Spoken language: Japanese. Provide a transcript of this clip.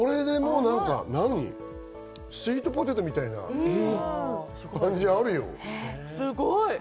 スイートポテトみたいな感じすごい。